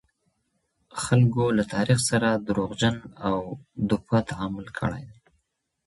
خلګو له تاریخ سره دروغجن او دوپه تعامل کړی و.